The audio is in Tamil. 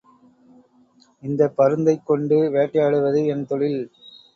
இந்தப் பருந்தைக் கொண்டு வேட்டையாடுவது என் தொழில்.